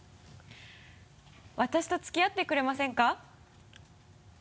私と付き合ってくれませんか？